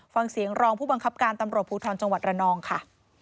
ฟังเสียงรองผู้บังคับการตำรวจภูทรจังหวัดระนองค่ะ